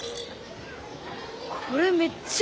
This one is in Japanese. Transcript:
これめっちゃ飛ぶ！